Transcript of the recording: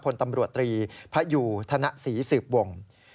ภนตำรวจตรีพระอยู่ธนศิเสิปวงษ์